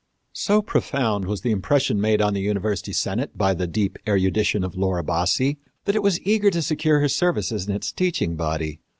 So profound was the impression made on the university senate by the deep erudition of Laura Bassi that it was eager to secure her services in its teaching body.